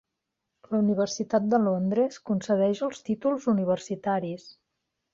La Universitat de Londres concedeix els títols universitaris.